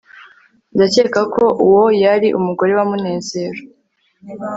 ndakeka ko uwo yari umugore wa munezero